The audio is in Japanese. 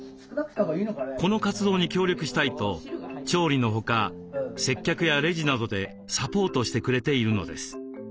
この活動に協力したいと調理のほか接客やレジなどでサポートしてくれているのです。